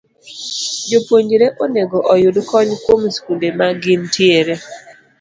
Jopuonjre onego oyud kony kuom skunde ma gintiere